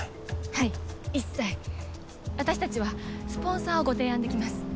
はい一切私達はスポンサーをご提案できます